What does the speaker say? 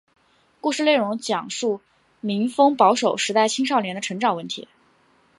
故事内容讲述民风保守时代青少年的成长问题。